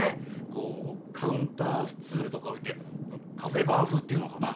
こうカウンタースツールとか置いてカフェバー風っていうのかな。